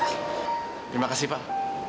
terima kasih pak